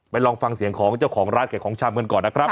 ลองฟังเสียงของเจ้าของร้านขายของชำกันก่อนนะครับ